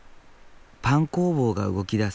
パン工房が動き出す。